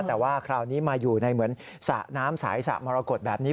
แต่ว่าคราวนี้มาอยู่ในเหมือนสระน้ำสายสระมรกฏแบบนี้